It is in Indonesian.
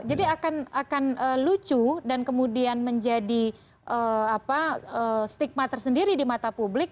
jadi akan lucu dan kemudian menjadi stigma tersendiri di mata publik